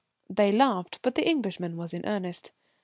They laughed, but the Englishman was in earnest.